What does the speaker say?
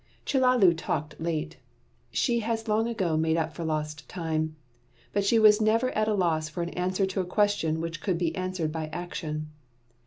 Chellalu talked late she has long ago made up for lost time but she was never at a loss for an answer to a question which could be answered by action.